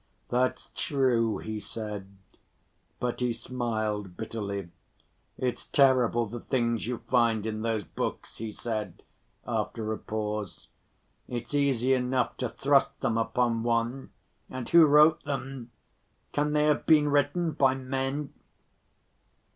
"That's true," he said, but he smiled bitterly. "It's terrible the things you find in those books," he said, after a pause. "It's easy enough to thrust them upon one. And who wrote them? Can they have been written by men?"